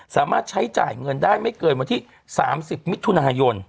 สามารถใช้จ่ายเงินได้ไม่เกินวันที่๓๐มิถุนายน